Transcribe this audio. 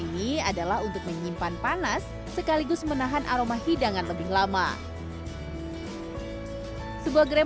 ini adalah untuk menyimpan panas sekaligus menahan aroma hidangan lebih lama sebuah gram